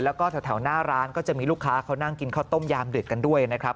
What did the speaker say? แล้วก็แถวหน้าร้านก็จะมีลูกค้าเขานั่งกินข้าวต้มยามดึกกันด้วยนะครับ